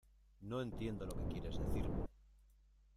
no entiendo lo que quieres decirme.